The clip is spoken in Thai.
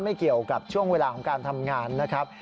ไม่เกี่ยวกับช่วงเวลาของการทำงานนะครับ